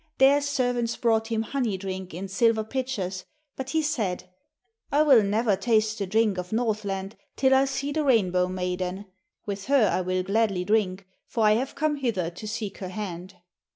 There servants brought him honey drink in silver pitchers, but he said: 'I will never taste the drink of Northland till I see the Rainbow maiden. With her I will gladly drink, for I have come hither to seek her hand.'